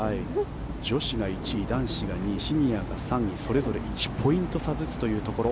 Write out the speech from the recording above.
女子が１位、男子が２位シニアが３位それぞれ１ポイント差ずつというところ。